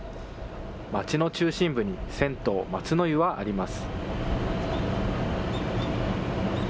街の中心部に、銭湯松の湯はあります。